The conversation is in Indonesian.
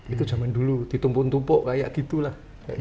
itu zaman dulu ditumpuk tumpuk kayak gitulah